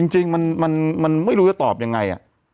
จริงมันไม่รู้จะตอบยังไง